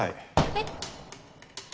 えっ？